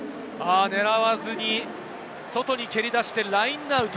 狙わずに外に蹴り出してラインアウト。